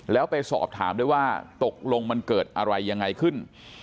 แล้วไปสอบถามด้วยว่าตกลงมันเกิดอะไรยังไงขึ้น